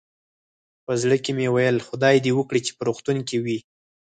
په زړه کې مې ویل، خدای دې وکړي چې په روغتون کې وي.